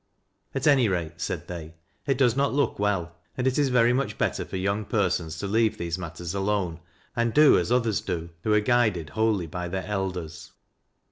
"At any i ate," said they, "it does not look well, and it is very much better for young per sons to leave these matters alone and do as others do who are guided wholly by their elders."